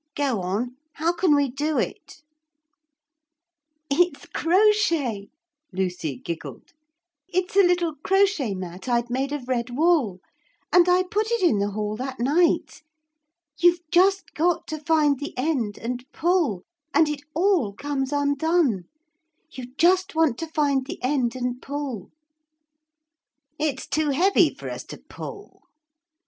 'Go on. How can we do it?' 'It's crochet,' Lucy giggled. 'It's a little crochet mat I'd made of red wool; and I put it in the hall that night. You've just got to find the end and pull, and it all comes undone. You just want to find the end and pull.' 'It's too heavy for us to pull.'